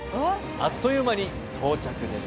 あっという間に到着です